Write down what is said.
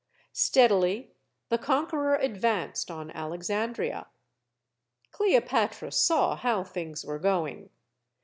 Steadily the conqueror advanced on Alexan CLEOPATRA 153 dria. Cleopatra saw how things were going.